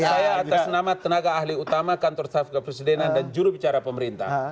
saya atas nama tenaga ahli utama kantor staf kepresidenan dan jurubicara pemerintah